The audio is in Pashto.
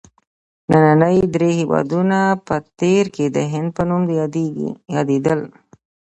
ننني درې هېوادونه په تېر کې د هند په نوم یادیدل.